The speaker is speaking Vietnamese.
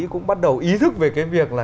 cũng bắt đầu ý thức về cái việc là